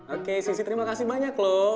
oke sisi terima kasih banyak loh